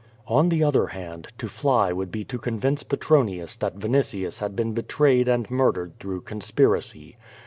On the other hand, to fly would be to convince Petronius that Vinitius had been betrayed and murdered through conspiracy.